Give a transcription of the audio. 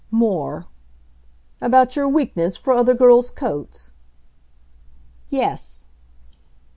"More." "About your weakness for other girls' coats?" "Yes."